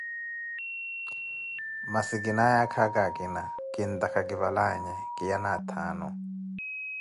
Massi khinaye akhaaka akina, kintaaka kivalanhe kiyane athaathu